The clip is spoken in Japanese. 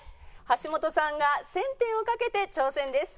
橋本さんが１０００点を賭けて挑戦です。